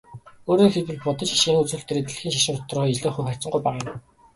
Өөрөөр хэлбэл, буддын шашин энэ үзүүлэлтээрээ дэлхийн шашнууд дотор эзлэх хувь харьцангуй бага юм.